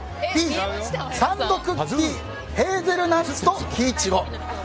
Ｂ、サンドクッキーヘーゼルナッツと木苺。